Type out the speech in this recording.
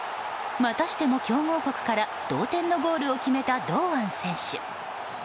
またしても強豪国から同点のゴールを決めた堂安選手。